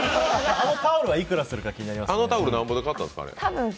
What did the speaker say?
あのタオルはいくらしたのか気になりますね。